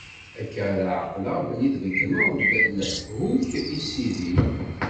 Akka ara ɛeqleɣ belli tesbeggneḍ-d lehhu-k i sidi.